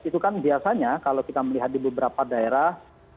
itu kan biasanya kalau kita melihat di beberapa daerah